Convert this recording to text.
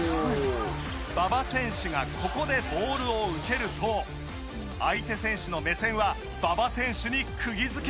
馬場選手がここでボールを受けると相手選手の目線は馬場選手に釘付け。